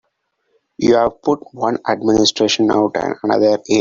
You've put one administration out and another in.